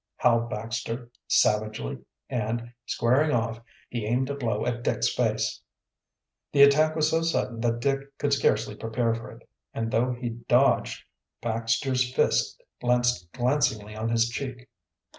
howled Baxter savagely, and, squaring off, he aimed a blow at Dick's face. The attack was so sudden that Dick could scarcely prepare for it, and though he dodged, Baxter's fist landed glancingly on his cheek.